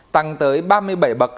tăng tới ba mươi bảy bậc